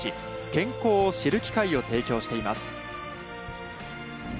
「健康を知る」機会を提供しています。